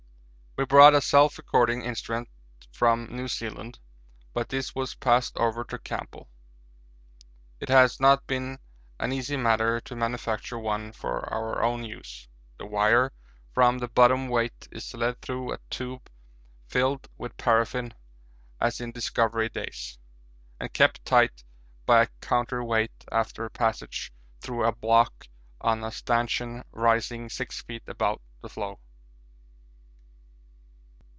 We brought a self recording instrument from New Zealand, but this was passed over to Campbell. It has not been an easy matter to manufacture one for our own use. The wire from the bottom weight is led through a tube filled with paraffin as in Discovery days, and kept tight by a counter weight after passage through a block on a stanchion rising 6 feet above the floe.